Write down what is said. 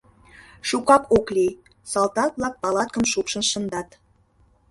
Шукак ок лий, салтак-влак палаткым шупшын шындат.